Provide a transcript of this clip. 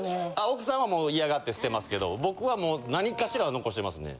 奥さんは嫌がって捨てますけど僕は何かしらは残してますね。